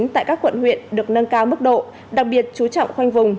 tại các quận huyện được nâng cao mức độ đặc biệt chú trọng khoanh vùng